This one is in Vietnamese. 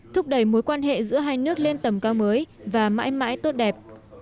thúc đẩy mối quan hệ giữa hai nước lên tầm cao mới và mãi mãi tốt đẹp